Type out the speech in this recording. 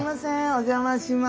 お邪魔します。